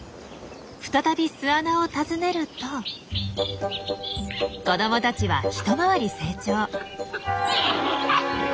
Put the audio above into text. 再び巣穴を訪ねると子どもたちは一回り成長。